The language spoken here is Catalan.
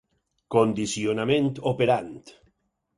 Condicionament operant.